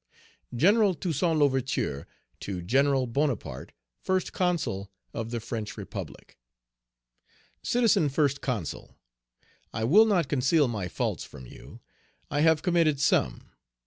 "GENERAL TOUSSAINT L'OUVERTURE TO GENERAL BONAPARTE, FIRST CONSUL OF THE FRENCH REPUBLIC. "CITIZEN FIRST CONSUL: I will not conceal my faults from you. I have committed some.